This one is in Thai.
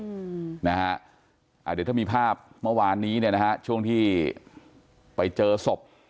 เดี๋ยวถ้ามีภาพเมื่อวานนี้เนี่ยนะฮะช่วงที่ไปเจอศพ